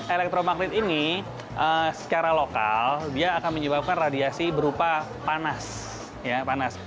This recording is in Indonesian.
elektromagnet ini secara lokal dia akan menyebabkan radiasi berupa panas